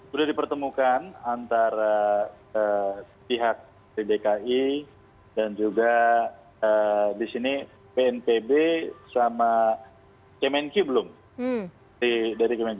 sudah dipertemukan antara pihak dari dki dan juga di sini bnpb sama kemenki belum